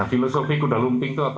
nah filosofi kuda lumping itu apa